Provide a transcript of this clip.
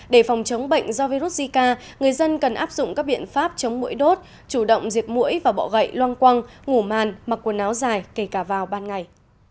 để phòng chống bệnh do virus zika người dân cần áp dụng các biện pháp chống mũi đốt chủ động diệt mũi và bọ gậy loang quăng ngủ màn mặc quần áo dài kể cả vào ban ngày